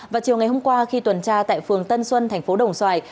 vào chiều ngày hôm qua khi tuần tra tại phường tân xuân thành phố đồng xoài